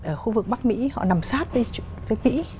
ở khu vực bắc mỹ họ nằm sát với mỹ